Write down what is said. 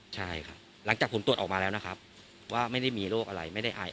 ใช่ครับหลังจากผลตรวจออกมาแล้วนะครับว่าไม่ได้มีโรคอะไรไม่ได้ไอ